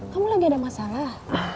kamu lagi ada masalah